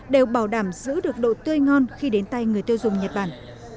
đều bảo đảm giữ được độ tươi ngon khi đến tay người tiêu dùng nhật bản